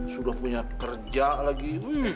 sudah punya kerja lagi